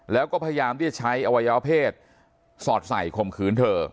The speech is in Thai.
แล้วก็พยายามที่จะใช้อวัยวเพศสอดใส่ข่มขืนเธอ